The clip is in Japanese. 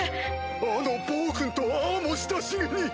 あの暴君とああも親しげに。